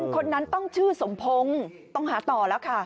คนนั้นต้องชื่อสมพงศ์ต้องหาต่อแล้วค่ะ